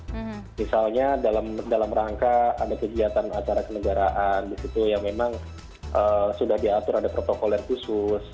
misalnya dalam rangka ada kegiatan acara kenegaraan disitu ya memang sudah diatur ada protokoler khusus